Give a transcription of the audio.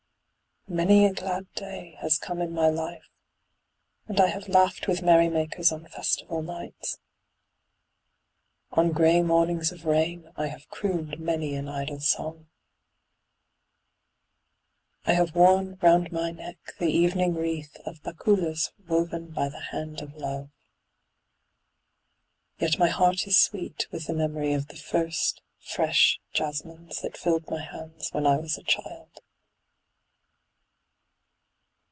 Many a glad day has come in my life, and I have laughed with merrymakers on festival nights. On grey mornings of rain I have crooned many an idle song. I have worn round my neck the evening wreath of bakulas woven by the hand of love. Yet my heart is sweet with the memory of the first fresh jasmines that filled my hands when I was a child.